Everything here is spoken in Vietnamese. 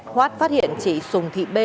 hoát phát hiện chỉ sùng thị b